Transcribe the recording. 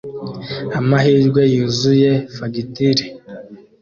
"AMAHIRWE" yuzuye fagitire